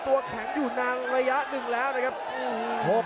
กรรมแต่งตัวนางไม่ได้ครับ